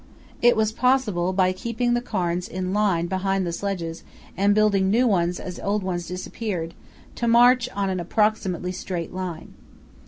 It was possible, by keeping the cairns in line behind the sledges and building new ones as old ones disappeared, to march on an approximately straight line.